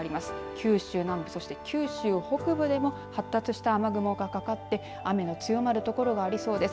九州南部そして九州北部でも発達した雨雲がかかって雨が強まる所がありそうです。